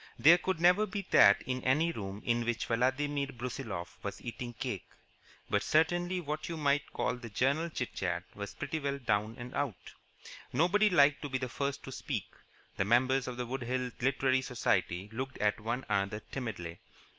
There could never be that in any room in which Vladimir Brusiloff was eating cake. But certainly what you might call the general chit chat was pretty well down and out. Nobody liked to be the first to speak. The members of the Wood Hills Literary Society looked at one another timidly.